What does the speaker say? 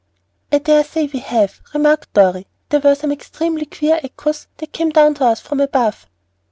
"I dare say we have," remarked Dorry; "there were some extremely queer echoes that came down to us from above."